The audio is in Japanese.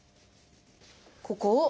ここを。